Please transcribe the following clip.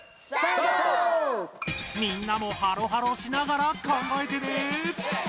みんなもハロハロしながら考えてね！